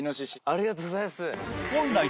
ありがとうございます！